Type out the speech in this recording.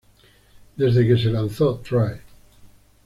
Desde que se lanzó "Try!